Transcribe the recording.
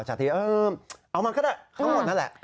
จติเอามาก็ได้เข้าหมดนั่นแหละ